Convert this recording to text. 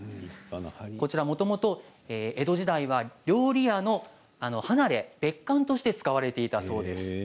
こちらはもともと江戸時代は料理屋の離れ別館として使われていたそうです。